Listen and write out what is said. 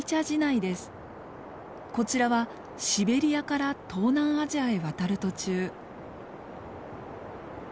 こちらはシベリアから東南アジアへ渡る途中。